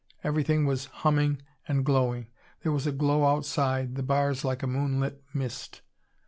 Everything was humming and glowing. There was a glow outside the bars like a moonlit mist.